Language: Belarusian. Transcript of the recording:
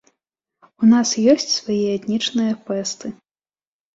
У нас ёсць свае этнічныя фэсты.